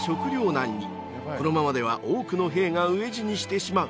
［このままでは多くの兵が飢え死にしてしまう］